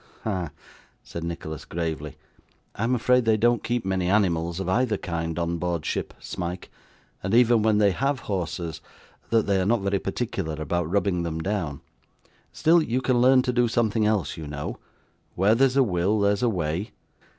'Ha!' said Nicholas, gravely. 'I am afraid they don't keep many animals of either kind on board ship, Smike, and even when they have horses, that they are not very particular about rubbing them down; still you can learn to do something else, you know. Where there's a will, there's a way.